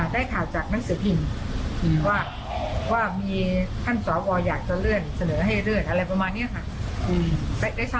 ได้ข่าวจากหนังสือพิมพ์ว่ามีท่านสวอยากจะเลื่อนเสนอให้เลื่อนอะไรประมาณนี้ค่ะ